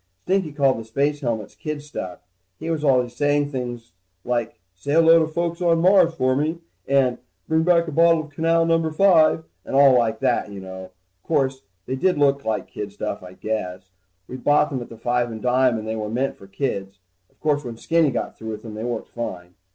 Stinky called the space helmets kid stuff. He was always saying things like say hello to the folks on Mars for me, and bring back a bottle of canal number five, and all like that, you know. Course, they did look like kid stuff, I guess. We bought them at the five and dime, and they were meant for kids. Of course when Skinny got through with them, they worked fine.